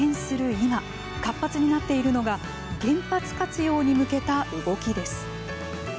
今活発になっているのが原発活用に向けた動きです。